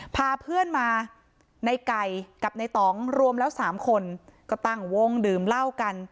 พาเพื่อนมาในไก่กับในต่องรวมแล้ว๓คนก็ตั้งวงดื่มเหล้ากัน